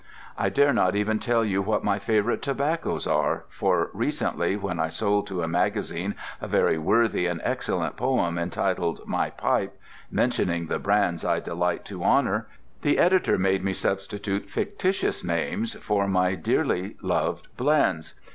I dare not even tell you what my favourite tobaccos are, for recently when I sold to a magazine a very worthy and excellent poem entitled "My Pipe," mentioning the brands I delight to honour, the editor made me substitute fictitious names for my dearly loved blends.